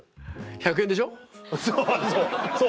１００円でしょ？